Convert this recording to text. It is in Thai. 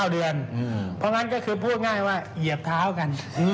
๙เดือนเพราะงั้นก็คือพูดง่ายว่าเหยียบเท้ากัน